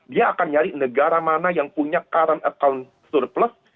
dia akan nyari negara mana yang punya current account surplus